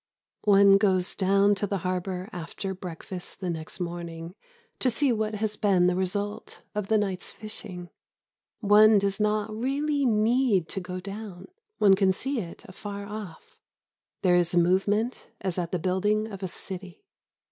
One goes down to the harbour after breakfast the next morning to see what has been the result of the night's fishing. One does not really need to go down. One can see it afar off. There is movement as at the building of a city.